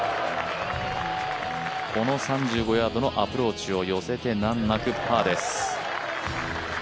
この３５ヤードのアプローチを寄せて難なくパーです。